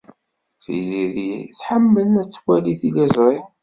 Tiziri tḥemmel ad twali tiliẓri.